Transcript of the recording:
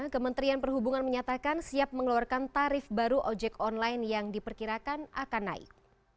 kementerian perhubungan menyatakan siap mengeluarkan tarif baru ojek online yang diperkirakan akan naik